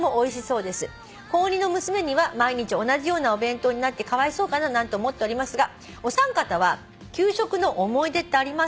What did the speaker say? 「高２の娘には毎日同じようなお弁当になってかわいそうかななんて思っておりますがお三方は給食の思い出ってありますか？」